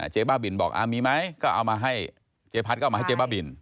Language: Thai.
บ้าบินบอกมีไหมก็เอามาให้เจ๊พัดก็เอามาให้เจ๊บ้าบิน